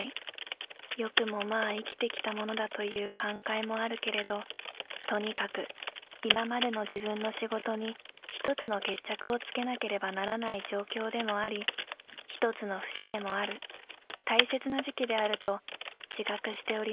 よくもまあ生きてきたものだという感懐もあるけれどとにかく今迄の自分の仕事に１つの決着をつけなければならない状況でもあり１つのフシでもある大切な時期であると自覚しております。